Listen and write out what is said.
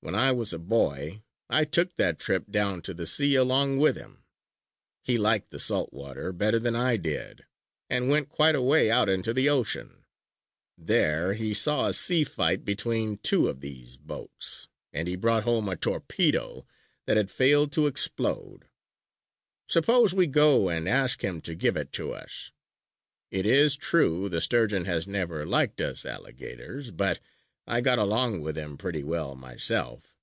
When I was a boy, I took that trip down to the sea along with him. He liked the salt water better than I did, and went quite a way out into the ocean. There he saw a sea fight between two of these boats; and he brought home a torpedo that had failed to explode. Suppose we go and ask him to give it to us. It is true the Sturgeon has never liked us alligators; but I got along with him pretty well myself.